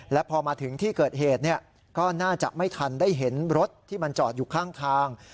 และพอมาถึงที่เกิดเหตุก็น่าจะไม่ทันได้เห็นรถที่มันจอดอยู่ข้างทาง